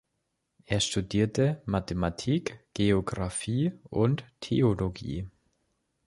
Er studierte Mathematik, Geographie und Theologie.